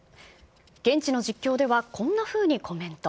現地の実況ではこんなふうにコメント。